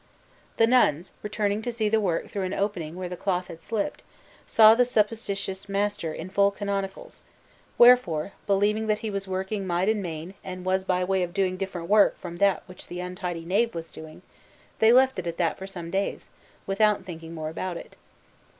The nuns, returning to see the work through an opening where the cloth had slipped, saw the supposititious master in full canonicals; wherefore, believing that he was working might and main and was by way of doing different work from that which the untidy knave was doing, they left it at that for some days, without thinking more about it.